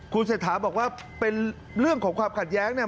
คุณเศรษฐาบอกว่าเป็นเรื่องของความขัดแย้งเนี่ย